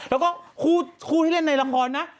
แล้วก็คู่ที่เล่นในละครนะ